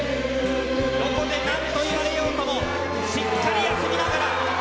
どこでなんと言われようとも、しっかり休みながら。